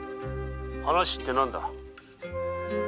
話って何だ？